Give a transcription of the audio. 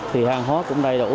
thì hàng hóa cũng đầy đủ